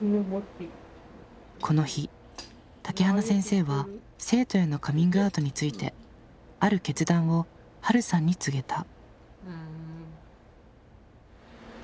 この日竹花先生は生徒へのカミングアウトについてある決断をはるさんに告げた。